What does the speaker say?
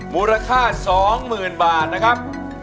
มูลค่า๒๐๐๐บาทนะครับ